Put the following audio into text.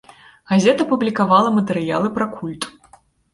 Газета публікавала матэрыялы пра культ.